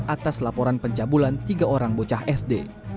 atas laporan pencabulan tiga orang bocah sd